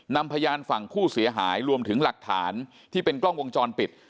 นำพยานฝั่งผู้เสียหายรวมถึงหลักฐานที่เป็นกล้องวงจรปิด